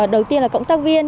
đầu tiên là cộng tác viên